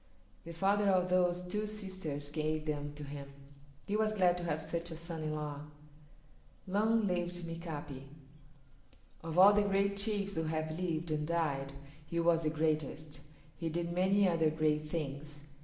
The father of those two sisters gave them to him. He was glad to have such a son in law. Long lived Mika´pi. Of all the great chiefs who have lived and died he was the greatest. He did many other great things.